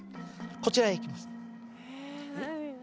こちらへ行きます。